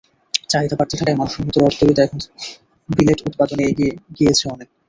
চাহিদা বাড়তে থাকায় মানসম্মত রড তৈরিতে এখন বিলেট উৎপাদনে এগিয়ে এসেছেন অনেকে।